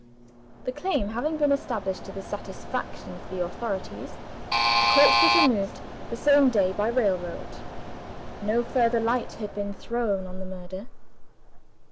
The claim having been established to the satisfaction of the authorities, the corpse was removed by railroad the same day. No further light had been thrown on the murder.